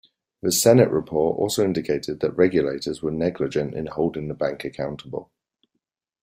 The Senate report also indicated that regulators were negligent in holding the bank accountable.